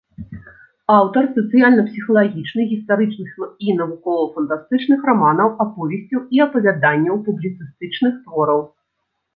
Аўтар сацыяльна-псіхалагічных, гістарычных і навукова-фантастычных раманаў, аповесцяў і апавяданняў, публіцыстычных твораў.